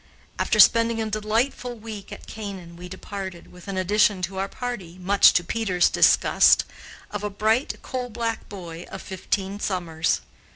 After spending a delightful week at Canaan, we departed, with an addition to our party, much to Peter's disgust, of a bright, coal black boy of fifteen summers.